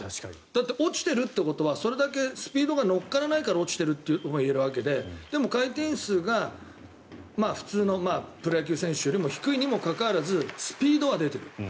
だって落ちてるってことはそれだけスピードが乗っからないから落ちてるといえるわけででも、回転数が普通のプロ野球選手よりも低いにもかかわらずスピードは出ている。